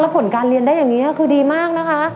ผลการเรียนได้อย่างนี้คือดีมากนะคะ